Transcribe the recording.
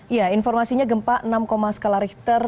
ya informasinya gempa enam skala richter